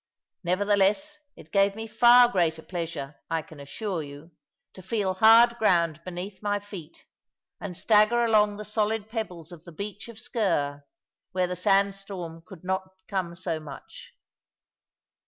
Nevertheless it gave me far greater pleasure, I can assure you, to feel hard ground beneath my feet, and stagger along the solid pebbles of the beach of Sker, where the sand storm could not come so much.